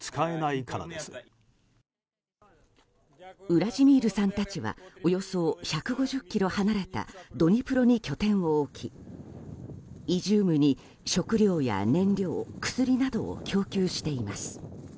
ウラジミールさんたちはおよそ１５０ｋｍ離れたドニプロに拠点を置きイジュームに食料や燃料薬などを供給しています。